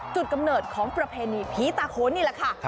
กำเนิดของประเพณีผีตาโคนนี่แหละค่ะ